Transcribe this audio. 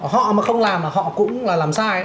họ mà không làm là họ cũng là làm sai